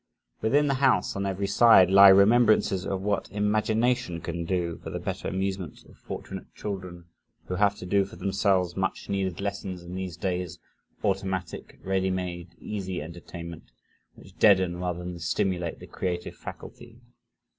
Within the house, on every side, lie remembrances of what imagination can do for the better amusement of fortunate children who have to do for themselves much needed lessons in these days of automatic, ready made, easy entertainment which deaden rather than stimulate the creative faculty.